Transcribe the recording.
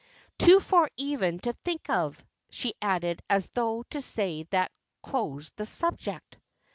Too far even to think of," she added as though to say that closed the subject.